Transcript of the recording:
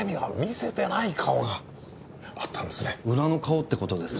裏の顔って事ですか？